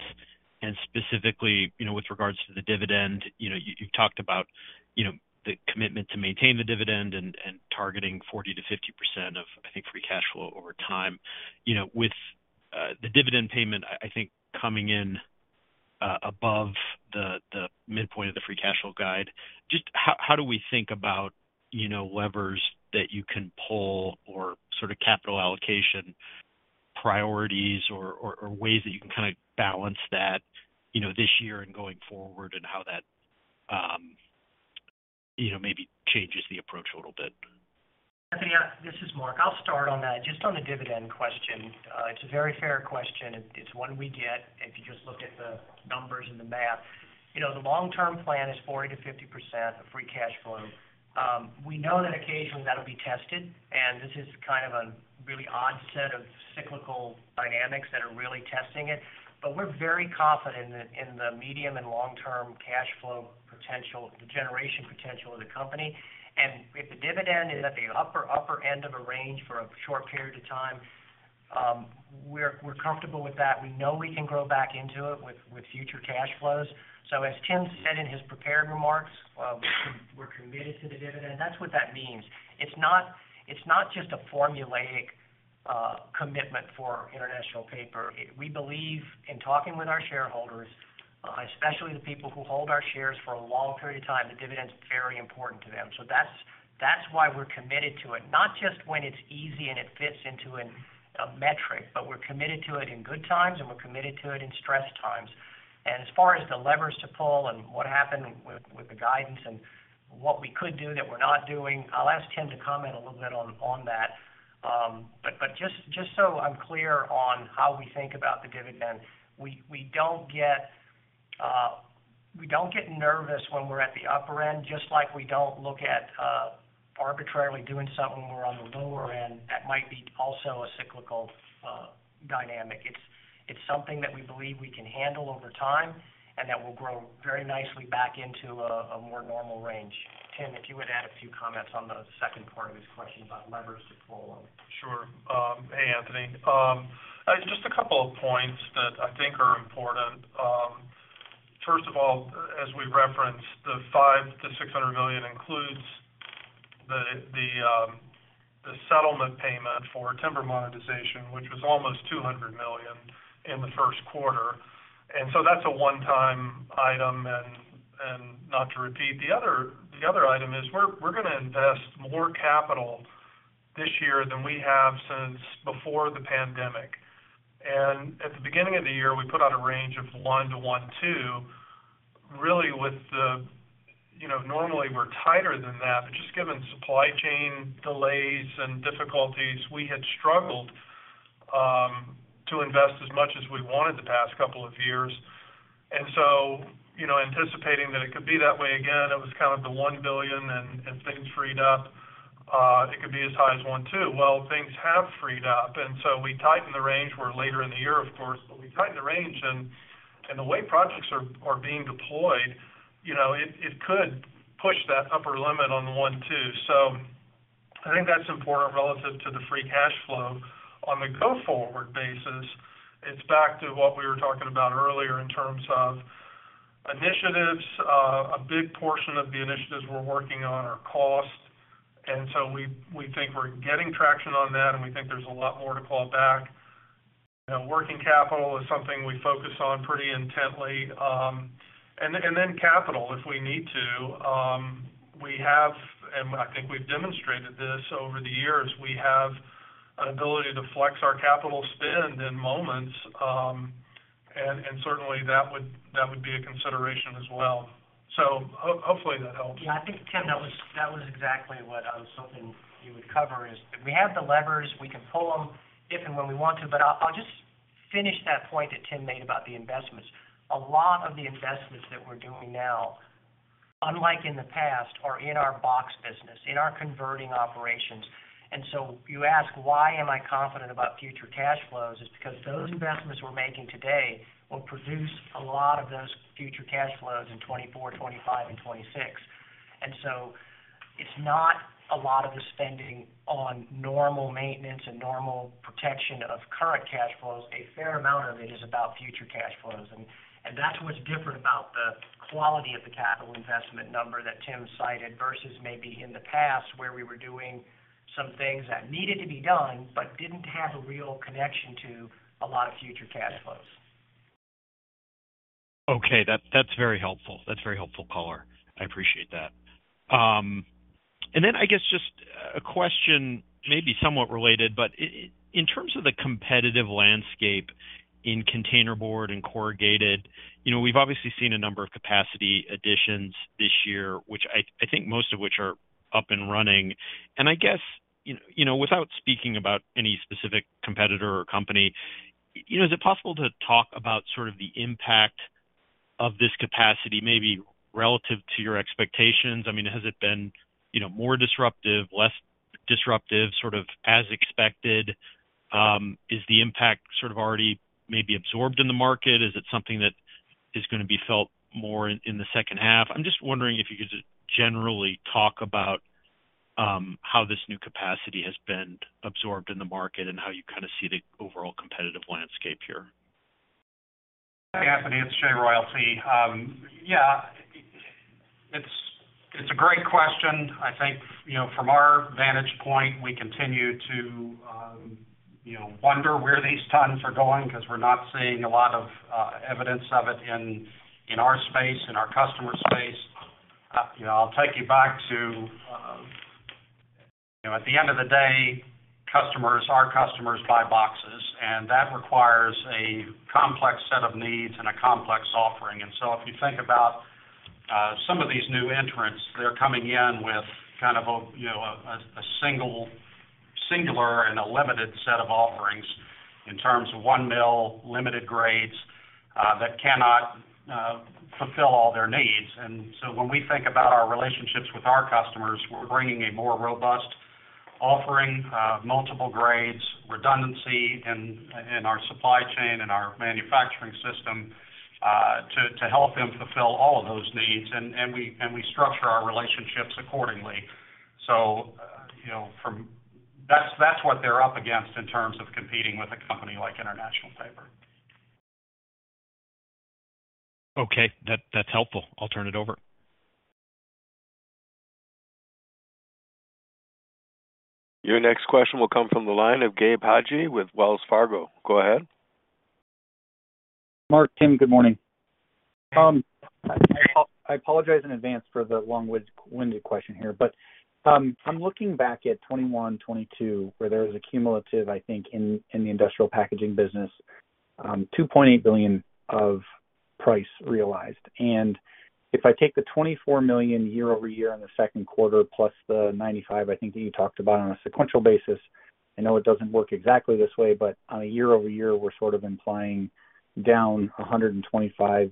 and specifically, you know, with regards to the dividend. You know, you talked about, you know, the commitment to maintain the dividend and, and targeting 40%-50% of, I think, free cash flow over time. You know, with the dividend payment, I think, coming in above the midpoint of the free cash flow guide, just how do we think about, you know, levers that you can pull or sort of capital allocation priorities or ways that you can kinda balance that, you know, this year and going forward, and how that, you know, maybe changes the approach a little bit? Anthony, this is Mark. I'll start on that. Just on the dividend question, it's a very fair question. It's one we get if you just look at the numbers and the math. You know, the long-term plan is 40%-50% of free cash flow. We know that occasionally that'll be tested, and this is kind of a really odd set of cyclical dynamics that are really testing it. We're very confident in the medium and long-term cash flow potential, the generation potential of the company. If the dividend is at the upper end of a range for a short period of time, we're comfortable with that. We know we can grow back into it with future cash flows. As Tim said in his prepared remarks, "We're committed to the dividend," that's what that means. It's not just a formulaic commitment for International Paper. We believe in talking with our shareholders, especially the people who hold our shares for a long period of time, the dividend's very important to them. That's why we're committed to it, not just when it's easy and it fits into a metric, but we're committed to it in good times, and we're committed to it in stress times. As far as the levers to pull and what happened with the guidance and what we could do that we're not doing, I'll ask Tim to comment a little bit on that. Just so I'm clear on how we think about the dividend, we don't get nervous when we're at the upper end, just like we don't look at arbitrarily doing something when we're on the lower end. That might be also a cyclical dynamic. It's something that we believe we can handle over time and that will grow very nicely back into a more normal range. Tim, if you would add a few comments on the second part of his question about levers to pull on. Sure. hey, Anthony. just a couple of points that I think are important. First of all, as we referenced, the $500 million-$600 million includes the settlement payment for timber monetization, which was almost $200 million in the first quarter, and so that's a one-time item, and not to repeat. The other item is, we're gonna invest more capital this year than we have since before the pandemic. At the beginning of the year, we put out a range of $1-$1.2 really with the, you know, normally we're tighter than that, but just given supply chain delays and difficulties, we had struggled to invest as much as we wanted the past couple of years. You know, anticipating that it could be that way again, it was kind of the $1 billion, and things freed up, it could be as high as $1.2 billion. Well, things have freed up, where later in the year, of course, but we tightened the range and the way projects are being deployed, you know, it could push that upper limit on the 1.2. I think that's important relative to the free cash flow. On the go-forward basis, it's back to what we were talking about earlier in terms of initiatives. A big portion of the initiatives we're working on are cost, we think we're getting traction on that, and we think there's a lot more to claw back. Working capital is something we focus on pretty intently. Then capital, if we need to, we have, and I think we've demonstrated this over the years, we have an ability to flex our capital spend in moments, and certainly, that would be a consideration as well. Hopefully, that helps. Yeah, I think, Tim, that was exactly what I was hoping you would cover, is we have the levers, we can pull them if and when we want to. I'll just finish that point that Tim made about the investments. A lot of the investments that we're doing now, unlike in the past, are in our box business, in our converting operations. You ask, why am I confident about future cash flows? It's because those investments we're making today will produce a lot of those future cash flows in 2024, 2025 and 2026. It's not a lot of the spending on normal maintenance and normal protection of current cash flows. A fair amount of it is about future cash flows, and that's what's different about the quality of the capital investment number that Tim cited, versus maybe in the past, where we were doing some things that needed to be done, but didn't have a real connection to a lot of future cash flows. Okay, that's very helpful. That's very helpful, caller. I appreciate that. Then I guess just a question, maybe somewhat related, but in terms of the competitive landscape in containerboard and corrugated, you know, we've obviously seen a number of capacity additions this year, which I think most of which are up and running. I guess, you know, without speaking about any specific competitor or company, you know, is it possible to talk about sort of the impact of this capacity, maybe relative to your expectations? I mean, has it been, you know, more disruptive, less disruptive, sort of as expected? Is the impact sort of already maybe absorbed in the market? Is it something that is going to be felt more in the second half? I'm just wondering if you could just generally talk about how this new capacity has been absorbed in the market and how you kind of see the overall competitive landscape here? Anthony, it's Jay Royalty. Yeah, it's, it's a great question. I think, you know, from our vantage point, we continue to, you know, wonder where these tons are going, because we're not seeing a lot of evidence of it in, in our space, in our customer space. You know, I'll take you back to, you know, at the end of the day, customers, our customers buy boxes, and that requires a complex set of needs and a complex offering. If you think about some of these new entrants, they're coming in with kind of a, you know, a singular and a limited set of offerings in terms of one mill, limited grades, that cannot fulfill all their needs. When we think about our relationships with our customers, we're bringing a more robust offering of multiple grades, redundancy in our supply chain and our manufacturing system, to help them fulfill all of those needs, and we structure our relationships accordingly. You know, that's what they're up against in terms of competing with a company like International Paper. Okay, that's helpful. I'll turn it over. Your next question will come from the line of Gabe Hajde with Wells Fargo. Go ahead. Mark, Tim, good morning. I apologize in advance for the long-winded question here, but, I'm looking back at 2021, 2022, where there was a cumulative, I think, in, in the industrial packaging business, $2.8 billion of price realized. If I take the $24 million year-over-year in the second quarter, plus the $95 million, I think that you talked about on a sequential basis, I know it doesn't work exactly this way, but on a year-over-year, we're sort of implying down $125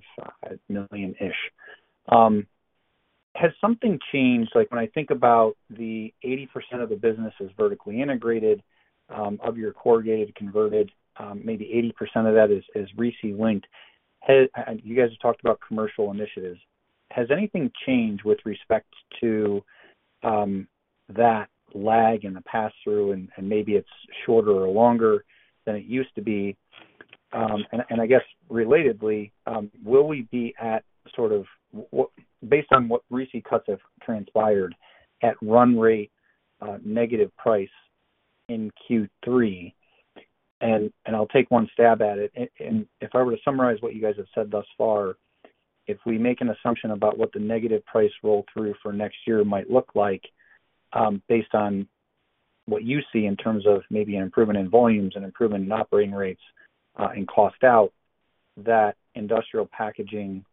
million-ish. Has something changed? Like, when I think about the 80% of the business is vertically integrated, of your corrugated converted, maybe 80% of that is, is RISI linked. You guys have talked about commercial initiatives. Has anything changed with respect to that lag in the pass-through, and maybe it's shorter or longer than it used to be? I guess, relatedly, will we be at sort of Based on what RISI cuts have transpired at run rate, negative price in Q3, and I'll take one stab at it. If I were to summarize what you guys have said thus far, if we make an assumption about what the negative price roll-through for next year might look like, based on...... what you see in terms of maybe an improvement in volumes and improvement in operating rates, and cost out, that Industrial Packaging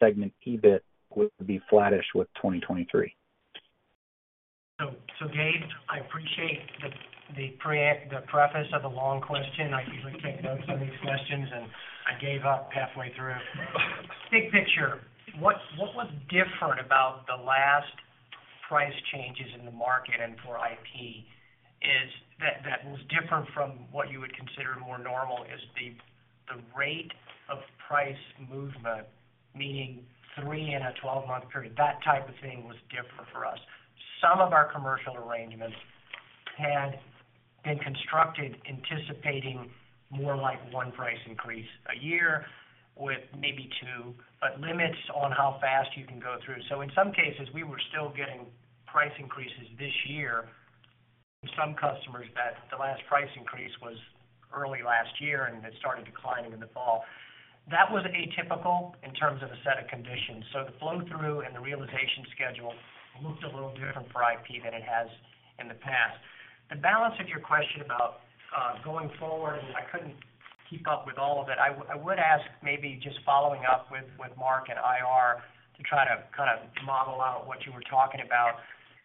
segment EBIT would be flattish with 2023. Gabe, I appreciate the preface of the long question. I usually take notes on these questions, and I gave up halfway through. Big picture, what was different about the last price changes in the market and for IP, that was different from what you would consider more normal, is the rate of price movement, meaning 3 in a 12-month period, that type of thing was different for us. Some of our commercial arrangements had been constructed anticipating more like 1 price increase a year, with maybe two, but limits on how fast you can go through. In some cases, we were still getting price increases this year from some customers that the last price increase was early last year, and it started declining in the fall. That was atypical in terms of a set of conditions. The flow-through and the realization schedule looked a little different for IP than it has in the past. The balance of your question about going forward, I couldn't keep up with all of it. I would ask maybe just following up with Mark and IR to try to kind of model out what you were talking about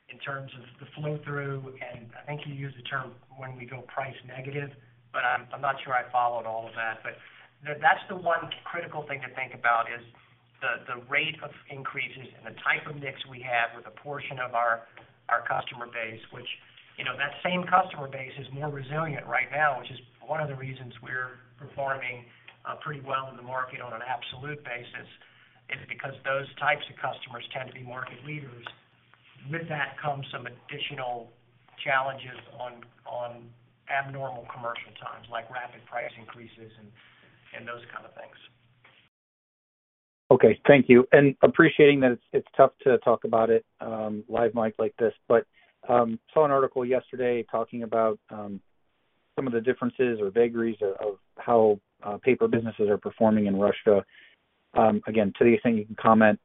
in terms of the flow-through, and I think you used the term, "when we go price negative," but I'm not sure I followed all of that. That's the one critical thing to think about, is the, the rate of increases and the type of mix we have with a portion of our customer base, which, you know, that same customer base is more resilient right now, which is one of the reasons we're performing pretty well in the market on an absolute basis, is because those types of customers tend to be market leaders. With that comes some additional challenges on abnormal commercial times, like rapid price increases and those kind of things. Okay. Thank you, appreciating that it's, it's tough to talk about it, live mic like this. Saw an article yesterday talking about some of the differences or vagaries of how paper businesses are performing in Russia. Again, to the extent you can comment,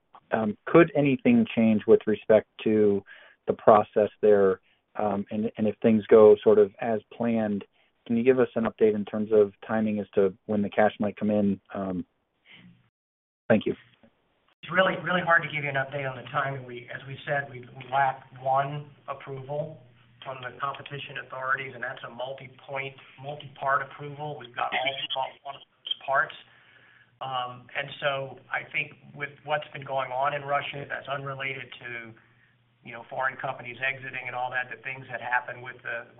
could anything change with respect to the process there? If things go sort of as planned, can you give us an update in terms of timing as to when the cash might come in? Thank you. It's really, really hard to give you an update on the timing. As we said, we lack one approval from the competition authorities, and that's a multipoint, multipart approval. We've got all but one of those parts. I think with what's been going on in Russia, that's unrelated to, you know, foreign companies exiting and all that, the things that happened with the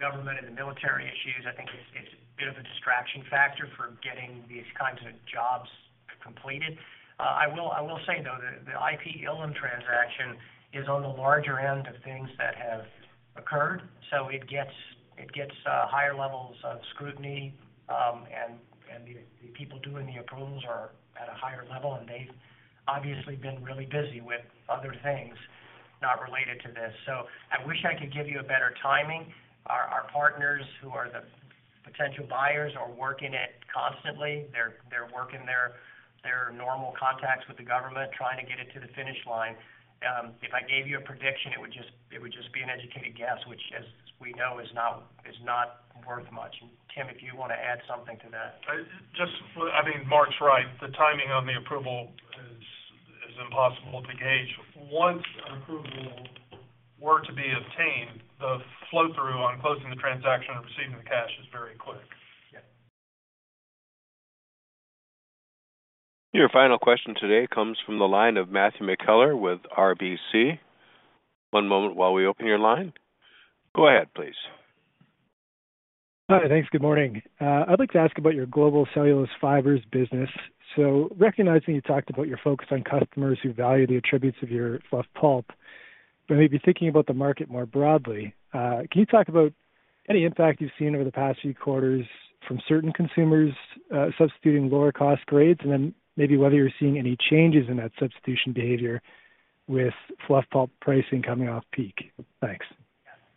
government and the military issues, I think it's a bit of a distraction factor for getting these kinds of jobs completed. I will say, though, the IP Ilim transaction is on the larger end of things that have occurred, so it gets higher levels of scrutiny. The people doing the approvals are at a higher level, and they've obviously been really busy with other things not related to this. I wish I could give you a better timing. Our, our partners, who are the potential buyers, are working it constantly. They're, they're working their, their normal contacts with the government, trying to get it to the finish line. If I gave you a prediction, it would just, it would just be an educated guess, which, as we know, is not, is not worth much. Tim, if you want to add something to that. I mean, Mark's right. The timing on the approval is impossible to gauge. Once an approval were to be obtained, the flow-through on closing the transaction and receiving the cash is very quick. Yeah. Your final question today comes from the line of Matthew McKellar with RBC. One moment while we open your line. Go ahead, please. Hi. Thanks. Good morning. I'd like to ask about your Global Cellulose Fibers business. Recognizing you talked about your focus on customers who value the attributes of your fluff pulp, but maybe thinking about the market more broadly, can you talk about any impact you've seen over the past few quarters from certain consumers, substituting lower-cost grades? Maybe whether you're seeing any changes in that substitution behavior with fluff pulp pricing coming off peak? Thanks.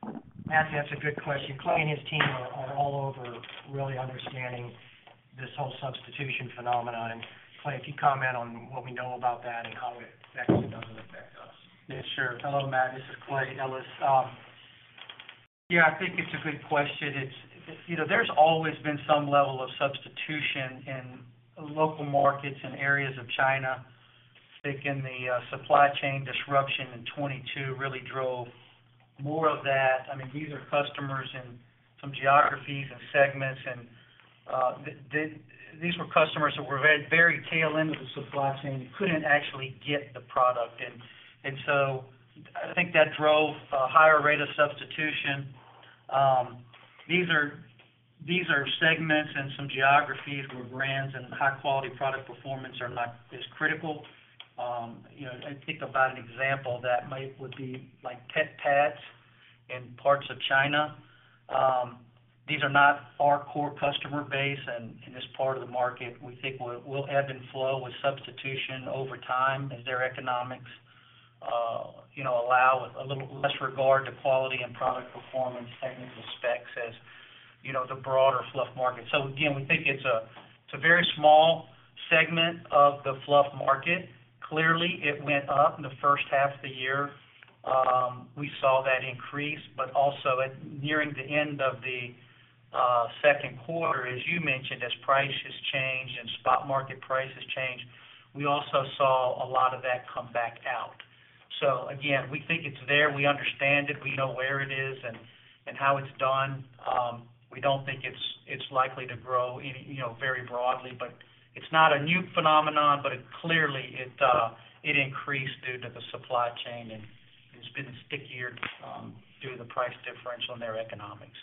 Yeah. Matthew, that's a good question. Clay and his team are all over really understanding this whole substitution phenomenon. Clay, if you could comment on what we know about that and how it affects and doesn't affect us. Yeah, sure. Hello, Matt, this is Clay Ellis. Yeah, I think it's a good question. It's, you know, there's always been some level of substitution in local markets and areas of China. I think in the supply chain disruption in 2022 really drove more of that. I mean, these are customers in some geographies and segments, and these were customers that were very tail end of the supply chain, and couldn't actually get the product. I think that drove a higher rate of substitution. These are segments in some geographies where brands and high-quality product performance are not as critical. You know, I think about an example that would be like pet pads in parts of China. These are not our core customer base, in this part of the market, we think will ebb and flow with substitution over time as their economics, you know, allow a little less regard to quality and product performance and the specs as, you know, the broader fluff market. Again, we think it's a very small segment of the fluff market. Clearly, it went up in the first half of the year. We saw that increase, nearing the end of the Second Quarter, as you mentioned, as prices changed and spot market prices changed, we also saw a lot of that come back out. Again, we think it's there. We understand it. We know where it is and how it's done. we don't think it's, it's likely to grow any, you know, very broadly, but it's not a new phenomenon, but it clearly, it increased due to the supply chain, and it's been stickier, due to the price differential in their economics.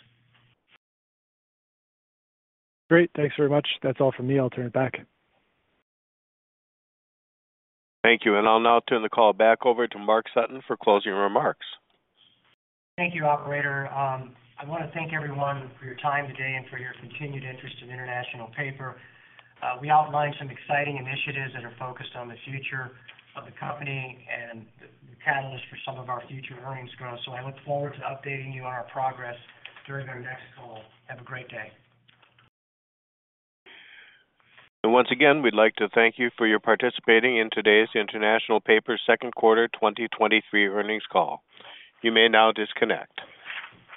Great. Thanks very much. That's all for me. I'll turn it back. Thank you. I'll now turn the call back over to Mark Sutton for closing remarks. Thank you, operator. I wanna thank everyone for your time today and for your continued interest in International Paper. We outlined some exciting initiatives that are focused on the future of the company and the catalyst for some of our future earnings growth. I look forward to updating you on our progress during our next call. Have a great day. Once again, we'd like to thank you for your participating in today's International Paper Second Quarter 2023 earnings call. You may now disconnect.